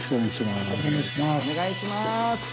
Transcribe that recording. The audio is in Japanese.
お願いします